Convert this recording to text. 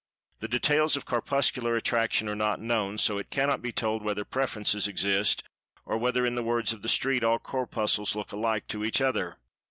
The details of Corpuscular Attraction are not known, so it cannot be told whether "preferences" exist, or whether (in the words of the[Pg 168] street) all Corpuscles "look alike" to each other.